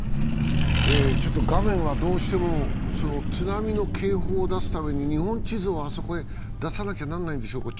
画面はどうしても津波の警報を出すために日本地図をあそこへ出さなきゃならないんでしょ。